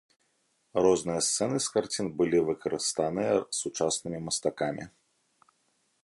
Розныя сцэны з карцін былі выкарыстаныя сучаснымі мастакамі.